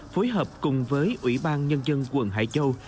phối hợp cùng với ủy ban nhân dân quận hải châu